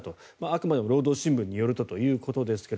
あくまでも労働新聞によるとということですが。